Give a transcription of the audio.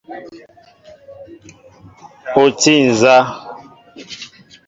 O tí na nzá ?